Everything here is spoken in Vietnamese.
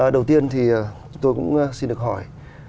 đầu tiên thì tôi cũng xin được hỏi